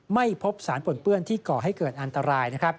ไม่พบสารปนเปื้อนที่ก่อให้เกิดอันตราย